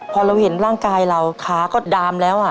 พอเราเห็นร่างกายเราขาก็ดามแล้ว